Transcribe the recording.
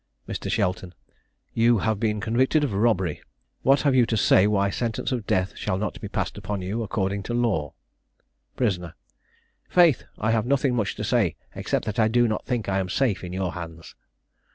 Mr. Shelton. You have been convicted of robbery; what have you to say why sentence of death shall not be passed upon you, according to law? Prisoner. Faith, I have nothing much to say, except that I do not think I am safe in your hands.